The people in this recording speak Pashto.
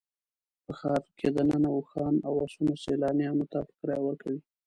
په ښار کې دننه اوښان او اسونه سیلانیانو ته په کرایه ورکوي.